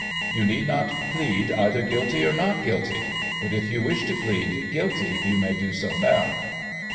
"You need not plead either 'Guilty' or 'Not Guilty.' But if you wish to plead 'Guilty' you may do so now."